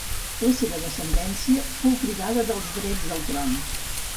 La seva descendència fou privada dels drets al tron.